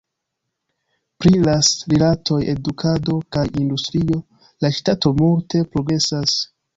Pri ras-rilatoj, edukado kaj industrio, la ŝtato multe progresas.